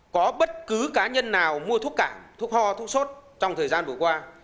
có bất cứ cá nhân nào mua thuốc cảng thuốc hoa thuốc sốt trong thời gian vừa qua